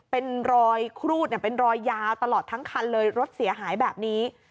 เป็นรอยครูดเป็นรอยยาวตลอดทั้งคันเลยรถเสียหายแบบนี้